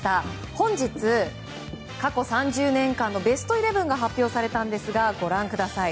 本日、過去３０年間のベストイレブンが発表されたんですがご覧ください。